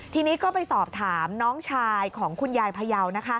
ทีนี้ก็ไปสอบถามน้องชายของคุณยายพยาว